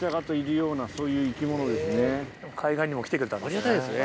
ありがたいですね。